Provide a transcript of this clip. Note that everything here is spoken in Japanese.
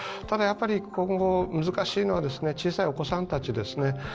ただやっぱり今後難しいのは小さいお子さんたちですね。